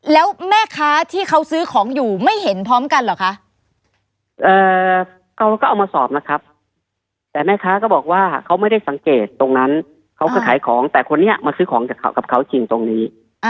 แล้วแม่ค้าที่เขาซื้อของอยู่ไม่เห็นพร้อมกันเหรอคะเขาก็เอามาสอบนะครับแต่แม่ค้าก็บอกว่าเขาไม่ได้สังเกตตรงนั้นเขาก็ขายของแต่คนนี้มาซื้อของกับเขาจริงตรงนี้